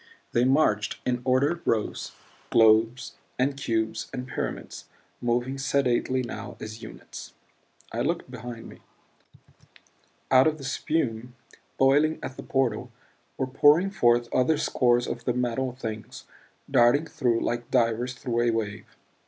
They marched in ordered rows, globes and cubes and pyramids; moving sedately now as units. I looked behind me; out of the spume boiling at the portal, were pouring forth other scores of the Metal Things, darting through like divers through a wave.